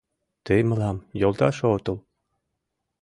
Тый мылам йолташ отыл.